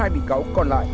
một mươi hai bị cáo còn lại